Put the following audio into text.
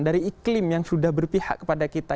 dari iklim yang sudah berpihak kepada kita